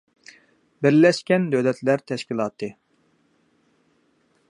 بىرلەشكەن دۆلەتلەر تەشكىلاتى